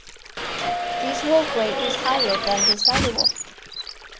This walkway is higher than the sidewalk.